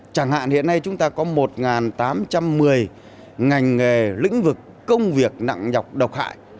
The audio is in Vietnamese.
chẳng hạn hiện nay chúng ta có một tám trăm một mươi ngành nghề lĩnh vực công việc nặng nhọc độc hại